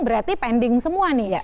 berarti pending semua nih